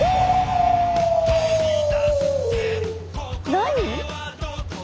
何？